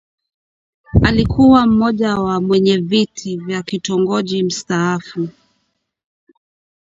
Alikuwa mmoja wa mwenyeviti vya kitongoji mstaafu